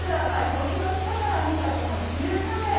堀の下から見たこの急斜面。